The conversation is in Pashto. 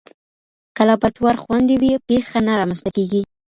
که لابراتوار خوندي وي، پېښه نه رامنځته کېږي.